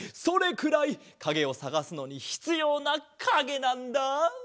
それくらいかげをさがすのにひつようなかげなんだ！